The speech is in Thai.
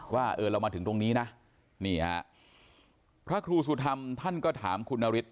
ว่าเออเรามาถึงตรงนี้นะนี่ฮะพระครูสุธรรมท่านก็ถามคุณนฤทธ